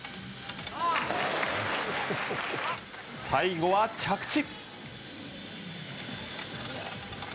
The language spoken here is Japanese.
最後は、着地。